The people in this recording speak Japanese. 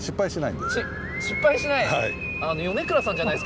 失敗しない？